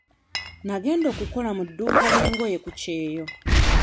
Nagenda kukola mu dduuka lya ngoye ku kyeyo.